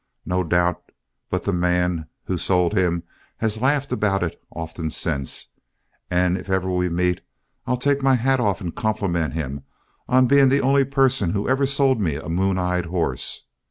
No doubt but the man who sold him has laughed about it often since, and if ever we meet, I'll take my hat off and compliment him on being the only person who ever sold me a moon eyed horse.